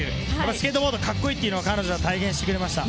スケートボード、カッコいいというのを彼女は体現してくれました。